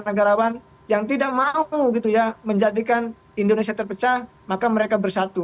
negarawan yang tidak mau gitu ya menjadikan indonesia terpecah maka mereka bersatu